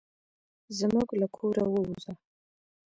زموږ له کوره ووزه.